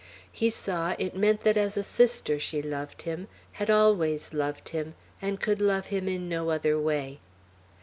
He saw it mean that as a sister she loved him, had always loved him, and could love him in no other way.